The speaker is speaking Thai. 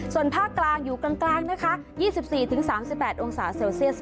ส่วนภาคกลางอยู่กลางนะคะ๒๔๓๘องศาเซลเซียส